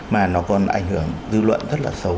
mà nó còn ảnh hưởng dư luận rất là xấu